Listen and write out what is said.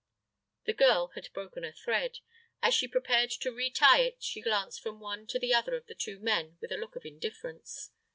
The girl had broken a thread. As she prepared to retie it, she glanced from one to the other of the two men with a look of indifference.